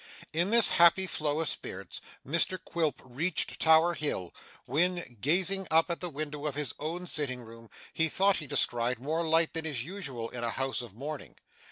In this happy flow of spirits, Mr Quilp reached Tower Hill, when, gazing up at the window of his own sitting room, he thought he descried more light than is usual in a house of mourning.